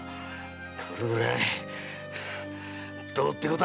このぐらいどうってこと！